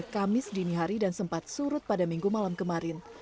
kamis dini hari dan sempat surut pada minggu malam kemarin